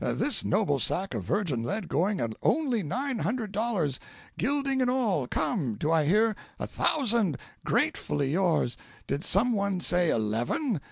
this noble sack of virgin lead going at only nine hundred dollars, gilding and all come! do I hear a thousand! gratefully yours! did some one say eleven?